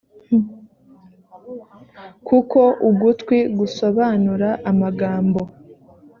kuko ugutwi gusobanura amagambo